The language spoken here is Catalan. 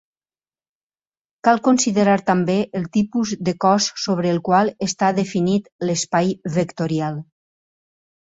Cal considerar també el tipus de cos sobre el qual està definit l'espai vectorial.